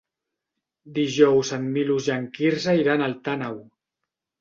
Dijous en Milos i en Quirze iran a Alt Àneu.